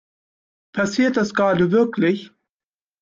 Passiert das gerade wirklich?